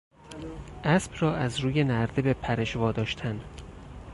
اسب را از روی نرده به پرش واداشتن